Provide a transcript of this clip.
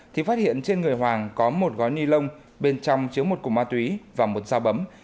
thì phát hiện trên người hoàng có một gói ni lông bên trong chứa một củ ma túy và một dao bấm